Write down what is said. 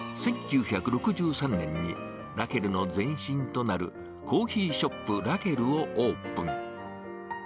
１９６３年に、ラケルの前進となるコーヒーショップらけるをオープン。